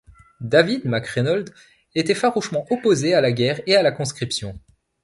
David McReynolds était farouchement opposée à la guerre et à la conscription.